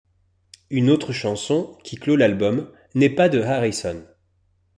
Une autre chanson, qui clôt l'album, n'est pas de Harrison.